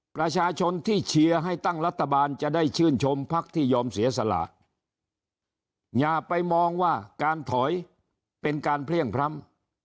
ประชาชนที่เชียร์ให้ตั้งรัฐบาลจะได้ชื่นชมพักที่ยอมเสียสละอย่าไปมองว่าการถอยเป็นการเพลี่ยงพร้ำ